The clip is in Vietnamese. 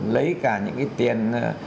lấy cả những cái tiền